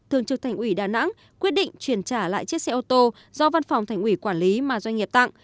thường trực thành ủy đà nẵng quyết định chuyển trả lại chiếc xe ô tô do văn phòng thành ủy quản lý mà doanh nghiệp tặng